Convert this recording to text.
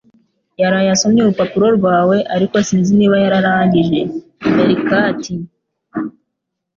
yaraye asoma urupapuro rwawe, ariko sinzi niba yararangije. (meerkat)